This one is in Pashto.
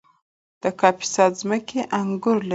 د کاپیسا ځمکې انګور لري